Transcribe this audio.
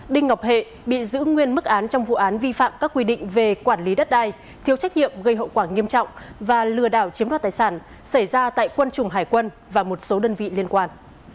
đinh ngọc hệ bị giữ nguyên mức án trong vụ án vi phạm các quy định về quản lý đất đai thiếu trách nhiệm gây hậu quả nghiêm trọng và lừa đảo chiếm đoạt tài sản xảy ra tại quân chủng hải quân và một số đơn vị liên quan